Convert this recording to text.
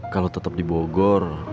kalau tetap di bogor